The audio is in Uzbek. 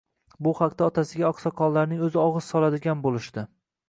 Bu haqda otasiga oqsoqollarning o`zi og`iz soladigan bo`lishdi